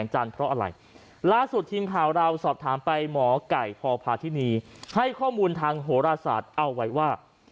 หมอไก่พพาธินีให้ข้อมูลทางโหราศาสตร์เอาไว้ว่า